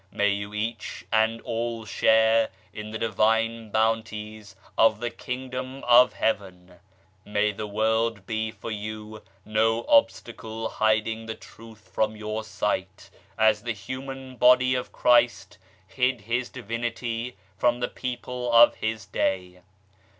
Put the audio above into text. May you each and all share in the Divine Bounties of the Kingdom of Heaven. May the world be for you no obstacle hiding the truth from your sight, as the human body of Christ hid His Divinity from the people of His day.